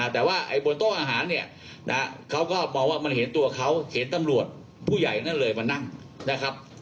แต่ว่าบนโต๊ะอาหารเนี่ยเขาก็มองว่ามันเห็นตัวเขาเห็นตำรวจผู้ใหญ่นั่นเลยมานั่งนะครับ